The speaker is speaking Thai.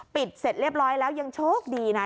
เสร็จเรียบร้อยแล้วยังโชคดีนะ